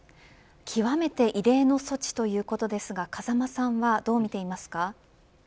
極めて異例の措置ということですが風間さんはどうみていますか。